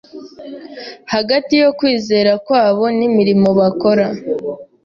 hagati yo kwizera kwabo n’imirimo bakora